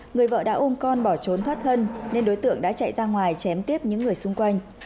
người vợ đã ôm con bỏ trốn thoát thân nên đối tượng đã chạy ra ngoài chém tiếp những người xung quanh